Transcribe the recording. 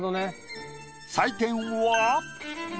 採点は。